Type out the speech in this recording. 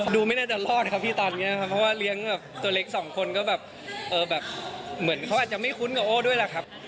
ดูไม่น่าจะรอดกับพี่ตอนนี้กันครับก็เหมือนเหมือนเขาอาจจะไม่คุ้นกับโอ้ยด้วยล่ะครับ